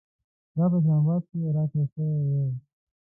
دا په اسلام اباد کې راکړل شوې وې.